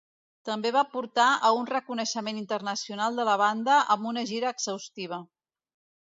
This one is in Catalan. També va portar a un reconeixement internacional de la banda amb una gira exhaustiva.